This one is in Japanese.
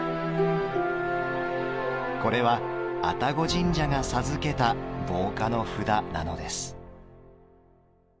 これは愛宕神社が授けた防火の札なのです。